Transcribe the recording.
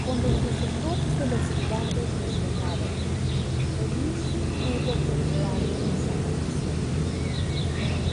Con los receptores de los Gigantes lesionados, Feliz tuvo que ocupar esa posición.